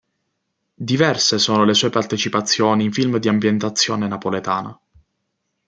Diverse sono le sue partecipazioni in film di ambientazione napoletana.